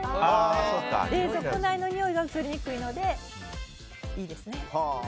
冷蔵庫内のにおいが移りにくいのでいいですね。